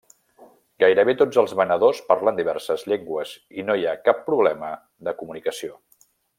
Gairebé tots els venedors parlen diverses llengües i no hi ha cap problema de comunicació.